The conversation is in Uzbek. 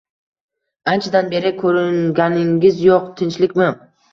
Anchadan beri ko'ringaningiz yo'q. Tinchlikmi?